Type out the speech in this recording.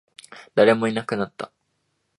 誰もいなくなった